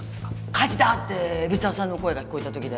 「火事だ」って海老沢さんの声が聞こえた時だ